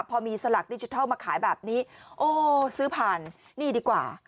พอมีสลักดิจิทัลมาขายแบบนี้โอ้ซื้อผ่านนี่ดีกว่า